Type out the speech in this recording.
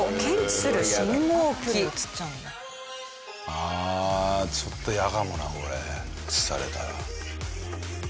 ああちょっと嫌かもなこれ映されたら。